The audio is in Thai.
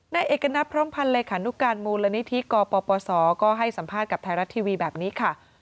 นายเอกณัฐพร้อมพันธ์เลขานุการมูลนิธิกปศก็ให้สัมภาษณ์กับไทยรัฐทีวีแบบนี้ค่ะ